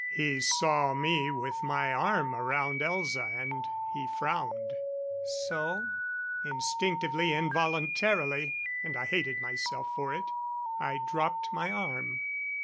He saw me with my arm around Elza, and he frowned. "So?" Instinctively, involuntarily and I hated myself for it I dropped my arm.